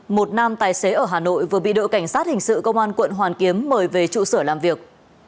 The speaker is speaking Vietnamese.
một nam tài xế ở hà nội vừa bị đội cảnh sát hình sự công an quận hoàn kiếm mời về trụ sở làm việc